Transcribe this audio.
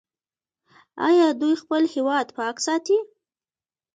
آیا دوی خپل هیواد پاک نه ساتي؟